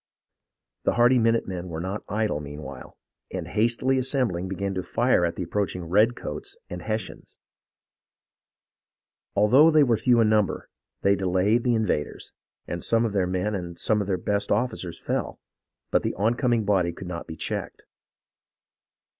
The hardy minute men were not idle meanwhile, and hastily assembling began to fire at the approaching redcoats and Hessians. Although they were few in number, they delayed the in vaders, and some of their men and some of the best of their officers fell, but the oncoming body could not be checked.